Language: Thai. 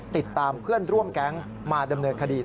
ติดตามเพื่อนร่วมแก๊งมาดำเนินคดี